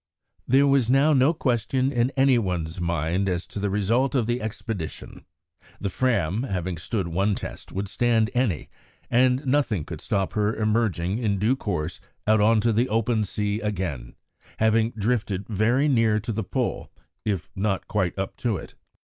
There was now no question in any one's mind as to the result of the expedition; the Fram, having stood one test, would stand any, and nothing could stop her emerging in due course out on to the open sea again, having drifted very near to the Pole, if not quite up to it.